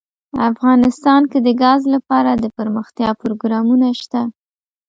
افغانستان کې د ګاز لپاره دپرمختیا پروګرامونه شته.